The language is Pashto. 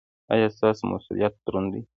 ایا ستاسو مسؤلیت دروند دی؟